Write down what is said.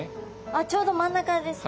あっちょうど真ん中ですね。